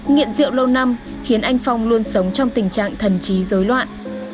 nghiện rượu lâu năm khiến anh phong luôn sống trong tình trạng thần chí rối loạn